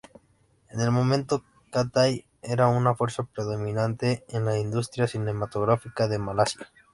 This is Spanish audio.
En el momento Cathay era una fuerza predominante en la industria cinematográfica de Malasia.